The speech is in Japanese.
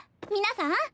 皆さん